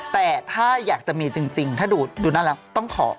แต่ถ้าอยากจะมีจริงถ้าดูน่ารักต้องขอ